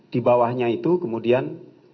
di bawahnya itu kemudian